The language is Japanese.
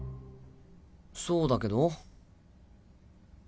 そうだけど。